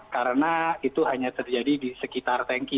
karena itu hanya terjadi di sekitar tanki